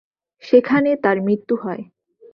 সেখানে তার মৃত্যু হয়।